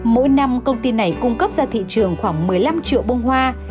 mỗi năm công ty này cung cấp ra thị trường khoảng một mươi năm triệu bông hoa